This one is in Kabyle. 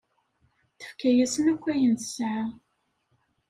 Tefka-yasen akk ayen tesɛa.